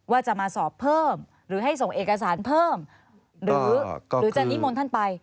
ว่าจะมาสอบเพิ่มหรือให้ส่งเอกสารเพิ่มหรือจะนิมนต์ท่านไป